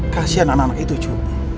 kasian anak anak itu cu